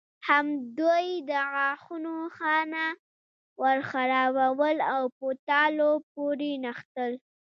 همدوی د غاښونو خانه ورخرابول او په تالو پورې نښتل.